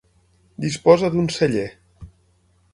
Disposa d'un celler.